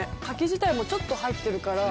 柿自体もちょっと入ってるから。